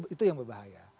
itu yang berbahaya